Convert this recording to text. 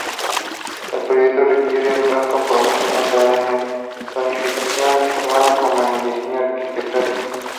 El proyecto requiere un gran compromiso tanto de planificación urbana como de diseño arquitectónico.